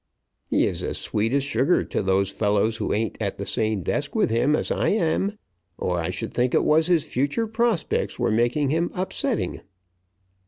He is as sweet as sugar to those fellows who ain't at the same desk with him as I am, or I should think it was his future prospects were making him upsetting.